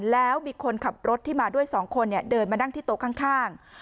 แล้วมีคนขับรถที่มาด้วย๒คนเดินมานั่งที่โต๊ะข้าง